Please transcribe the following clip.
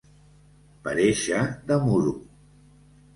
Parèixer de Muro.